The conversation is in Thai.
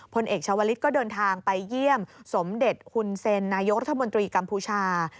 พลเอกชาวลิศก็เดินทางไปเยี่ยมสมเด็จฮุนเซ็นนายกรัฐมนตรีกัมพูชา